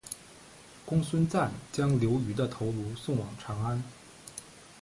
公孙瓒将刘虞的头颅送往长安。